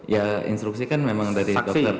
ya instruksi kan memang dari dokter